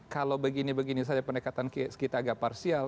kalau begini begini saja pendekatan kita agak parsial